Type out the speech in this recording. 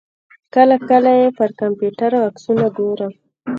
کله کله یې پر کمپیوټر عکسونه ګورم.